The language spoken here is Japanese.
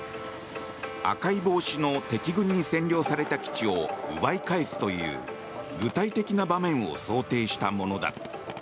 赤い帽子の敵軍に占領された基地を奪い返すという具体的な場面を想定したものだ。